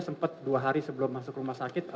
sempat dua hari sebelum masuk rumah sakit